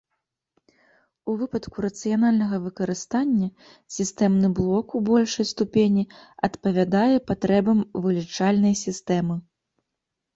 У выпадку рацыянальнага выкарыстання, сістэмны блок у большай ступені адпавядае патрэбам вылічальнай сістэмы.